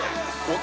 男